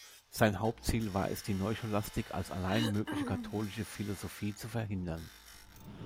Sein Hauptziel war es, die Neuscholastik als allein mögliche katholische Philosophie zu verhindern.